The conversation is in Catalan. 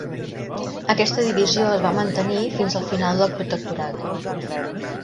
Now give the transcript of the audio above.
Aquesta divisió es va mantenir fins al final del Protectorat.